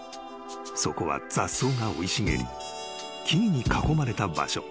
［そこは雑草が生い茂り木々に囲まれた場所］